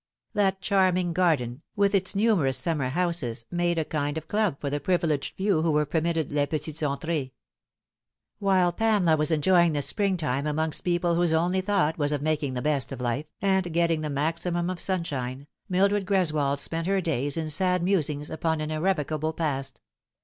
That charming garden, with its numerous summer houses, made a kind of club for the privileged few who were permited les petites entrees. While Pamela was enjoying the spring time amongst people whose only thought was of making the best of life, and getting the maximum of sunshine, Mildred Greswold spent her days in sad musings upon an irrevocable past.